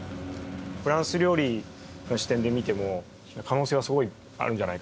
フランス料理の視点で見ても可能性はすごいあるんじゃないかな